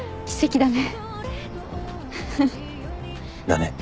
だね。